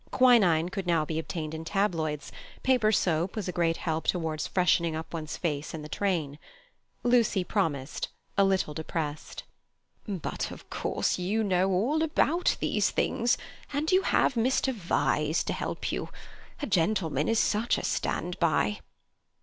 Quinine could now be obtained in tabloids; paper soap was a great help towards freshening up one's face in the train. Lucy promised, a little depressed. "But, of course, you know all about these things, and you have Mr. Vyse to help you. A gentleman is such a stand by."